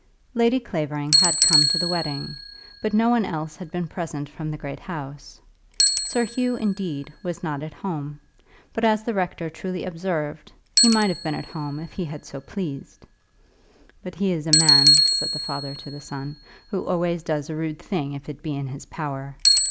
Lady Clavering had come to the wedding; but no one else had been present from the great house. Sir Hugh, indeed, was not at home; but, as the rector truly observed, he might have been at home if he had so pleased. "But he is a man," said the father to the son, "who always does a rude thing if it be in his power.